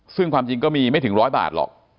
ซึ่งความจริงก็มีไม่ถึงร้อยบาทหรอก